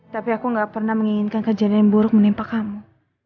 tapi aku gak pernah menginginkan kejadian yang buruk menimpa kamu